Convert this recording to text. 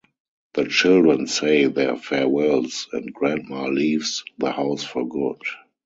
The children say their farewells and Grandma leaves the house for good.